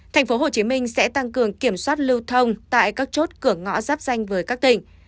tp hcm sẽ tăng cường kiểm soát lưu thông tại các chốt cửa ngõ giáp danh với các tỉnh